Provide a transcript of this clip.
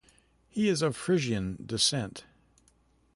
He is of Frisian descent.